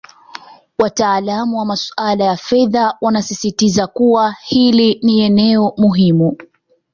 Wataalamu wa masuala ya fedha wanasisitiza kuwa hili ni eneo muhimu